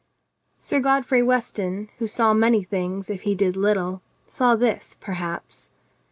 Sir Godfrey Weston, who saw many things if he did little, saw this, perhaps.